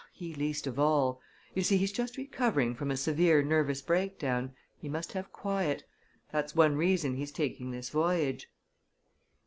"He least of all. You see, he's just recovering from a severe nervous breakdown he must have quiet that's one reason he's taking this voyage."